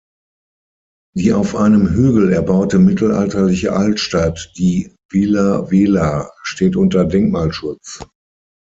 Die auf einem Hügel erbaute mittelalterliche Altstadt, die "Vila Vela", steht unter Denkmalschutz.